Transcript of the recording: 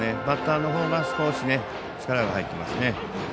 バッターのほうが少し力が入ってきますね。